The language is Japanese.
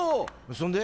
そんで？